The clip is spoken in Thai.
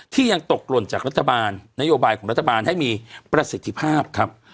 ยังตกหล่นจากรัฐบาลนโยบายของรัฐบาลให้มีประสิทธิภาพครับ